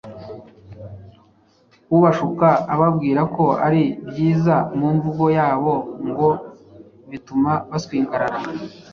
Ubashuka ababwira ko ari byiza, mu mvugo yabo ngo bituma baswingarara,